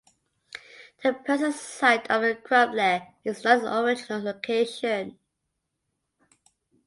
The present site of the cromlech is not its original location.